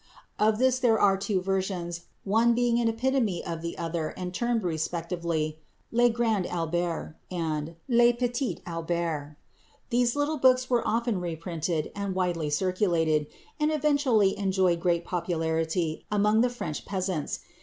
Of this there are two versions, one being an epitome of the other and termed respectively "Le Grand Albert" and "Le Petit Albert." These little books were often reprinted and widely circulated, and eventually enjoyed great popularity among the French peasants.